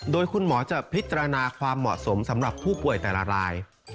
โดยคุณหมอจะพิจารณาความเหมาะสมสำหรับผู้ป่วยแต่ละราย